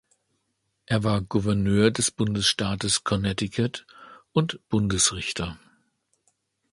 Er war Gouverneur des Bundesstaates Connecticut und Bundesrichter.